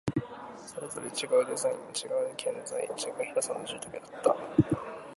それぞれ違うデザイン、違う建材、違う広さの住宅だった